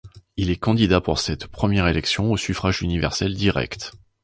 Il est candidat pour cette première élection au suffrage universel direct.